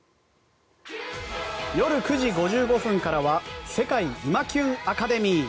夜９時５５分からは「世界イマキュン☆アカデミー」。